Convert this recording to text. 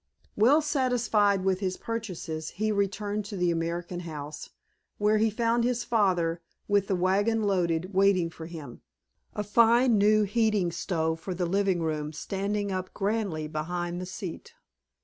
Well satisfied with his purchases he returned to the American House, where he found his father with the wagon loaded waiting for him, a fine new heating stove for the living room standing up grandly behind the seat.